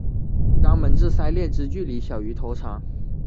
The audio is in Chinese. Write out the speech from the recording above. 肛门至鳃裂之距离小于头长。